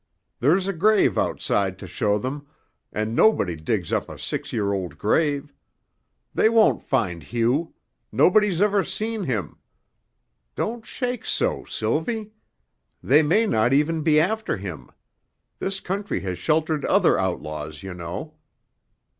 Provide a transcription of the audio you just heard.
There's a grave outside to show them, and nobody digs up a six year old grave. They won't find Hugh. Nobody's ever seen him. Don't shake so, Sylvie. They may not even be after him; this country has sheltered other outlaws, you know.